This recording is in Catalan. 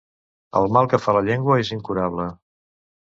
El mal que fa la llengua és incurable.